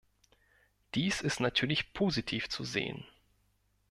Dies ist natürlich positiv zu sehen.